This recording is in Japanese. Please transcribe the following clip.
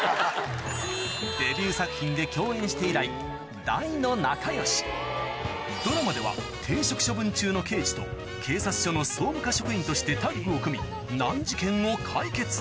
デビュー作品で共演して以来大の仲よしドラマでは停職処分中の刑事と警察署の総務課職員としてタッグを組み難事件を解決